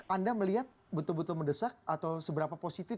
anda melihat betul betul mendesak atau seberapa positif